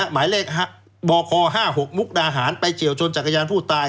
หมายเลขบค๕๖มุกดาหารไปเฉียวชนจักรยานผู้ตาย